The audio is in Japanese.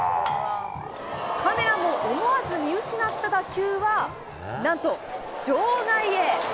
カメラの思わず見失った打球は、なんと場外へ。